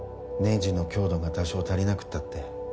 ネジの強度が多少足りなくったって